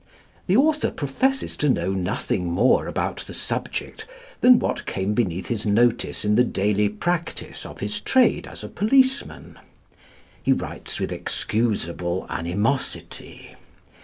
The author professes to know nothing more about the subject than what came beneath his notice in the daily practice of his trade as a policeman. He writes with excusable animosity.